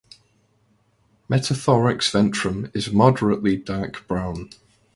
Metathorax ventrum is moderately dark brown.